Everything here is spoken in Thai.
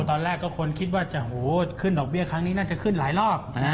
ตอนแรกก็คนคิดว่าจะโหขึ้นดอกเบี้ยครั้งนี้น่าจะขึ้นหลายรอบ